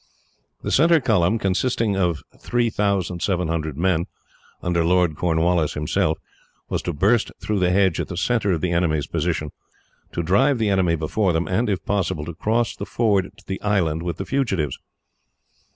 The centre column, consisting of 3,700 men, under Lord Cornwallis himself, was to burst through the hedge at the centre of the enemy's position, to drive the enemy before them, and, if possible, to cross the ford to the island with the fugitives.